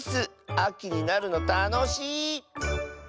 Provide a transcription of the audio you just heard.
あきになるのたのしい。